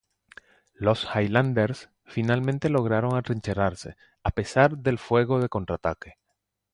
Los Highlanders finalmente lograron atrincherarse, a pesar del fuego de contraataque.